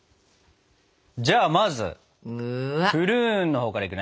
じゃあまずプルーンのほうからいくね。